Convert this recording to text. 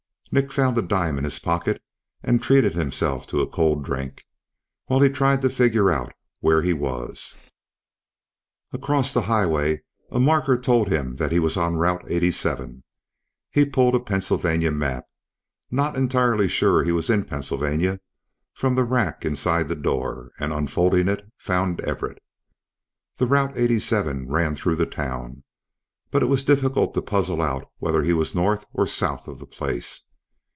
Nick found a dime in his pocket and treated himself to a cold drink, while he tried to figure out where he was. Across the highway a marker told him that he was on Route 87. He pulled a Pennsylvania map not entirely sure he was in Pennsylvania from the rack inside the door and, unfolding it, found Everett. The route 87 ran through the town, but it was difficult to puzzle out whether he was north or south of the place.